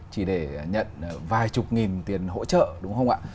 chỉ để nhận vài chục nghìn tiền hỗ trợ đúng không ạ